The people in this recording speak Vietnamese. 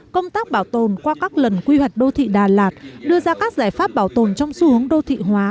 công tác bảo tồn qua các lần quy hoạch đô thị đà lạt đưa ra các giải pháp bảo tồn trong xu hướng đô thị hóa